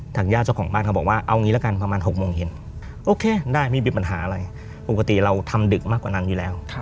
ญาติเจ้าของบ้านเขาบอกว่าเอางี้ละกันประมาณ๖โมงเย็นโอเคได้ไม่มีปัญหาอะไรปกติเราทำดึกมากกว่านั้นอยู่แล้ว